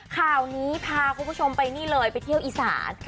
ข่าวนี้พาคุณผู้ชมไปนี่เลยไปเที่ยวอีสาน